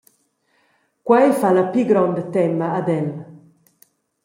Quei fa la pli gronda tema ad el.